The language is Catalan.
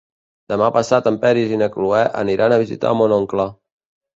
Demà passat en Peris i na Cloè aniran a visitar mon oncle.